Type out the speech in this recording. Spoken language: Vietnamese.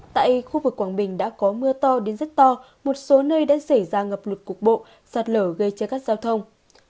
tại khu vực quảng bình đã có mưa to đến rất to một số nơi đã xảy ra ngập lụt cục bộ sạt lở gây chia cắt giao thông